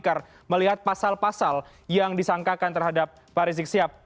pak fikir melihat pasal pasal yang disangkakan terhadap pak risik siap